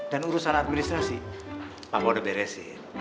dan urusan administrasi papa udah beresin